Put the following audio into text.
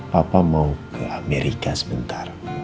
papa mau ke amerika sebentar